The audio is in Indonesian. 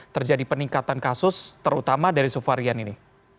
terjadi peningkatan kasus terutama dari sub varian ini